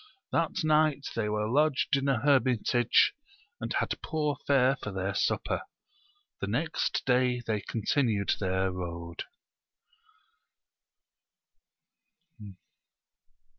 That night they were lodged in a hermitage, and had poor fare for their supper; the next day they continued their road.